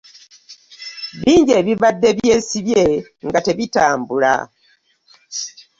Bingi ebibadde byesibye nga tebitambula.